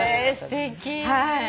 すてき。